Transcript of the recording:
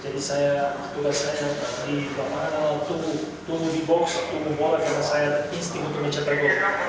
di box umum bola kena saya istimewa untuk mencetak gol